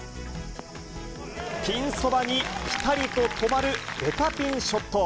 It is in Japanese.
ピンそばにぴたりと止まるベタピンショット。